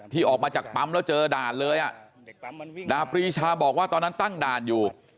ออกมาจากปั๊มแล้วเจอด่านเลยอ่ะดาบปรีชาบอกว่าตอนนั้นตั้งด่านอยู่